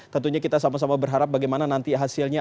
tentunya kita sama sama berharap bagaimana nanti hasilnya